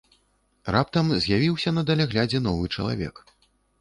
Раптам з'явіўся на даляглядзе новы чалавек.